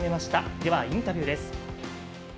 ではインタビューです。